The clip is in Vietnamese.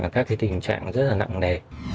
các cái tình trạng rất là nặng đề